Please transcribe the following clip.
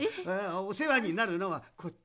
おせわになるのはこっち。